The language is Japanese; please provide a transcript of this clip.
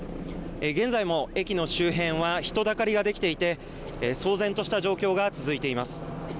現在も、駅の周辺は人だかりができていて騒然とした状況が続いています。